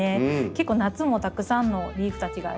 結構夏もたくさんのリーフたちがありまして。